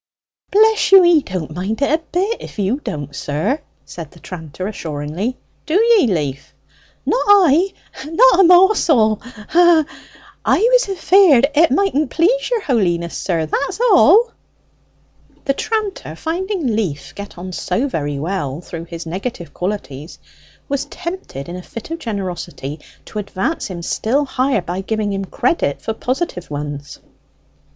"Bless you, he don't mind it a bit, if you don't, sir," said the tranter assuringly. "Do ye, Leaf?" "Not I not a morsel hee, hee! I was afeard it mightn't please your holiness, sir, that's all." The tranter, finding Leaf get on so very well through his negative qualities, was tempted in a fit of generosity to advance him still higher, by giving him credit for positive ones.